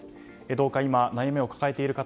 どうか今、悩みを抱えている方